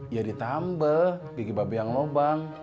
ya ditambal gigi bapak b yang lo bang